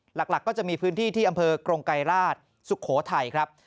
หลักก็จะมีพื้นที่ที่อำเภอกรงไกรราชสุโขทัยครับ